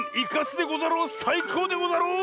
さいこうでござろう！